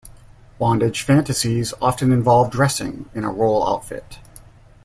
Bondage fantasies often involve dressing in a role outfit.